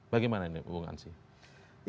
bagaimana ini hubungan sih